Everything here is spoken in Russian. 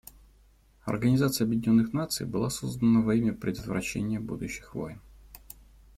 Организация Объединенных Наций была создана во имя предотвращения будущих войн.